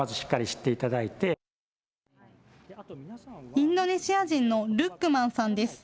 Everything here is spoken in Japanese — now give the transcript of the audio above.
インドネシア人のルックマンさんです。